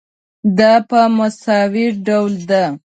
دا په مساوي ډول ده.